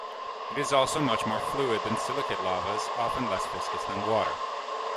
It is also much more fluid than silicate lavas, often less viscous than water.